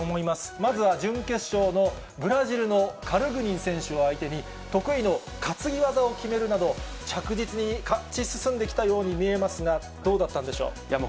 まずは準決勝のブラジルのカルグニン選手を相手に、得意の担ぎ技を決めるなど、着実に勝ち進んできたように見えますが、どうだったんでしょう。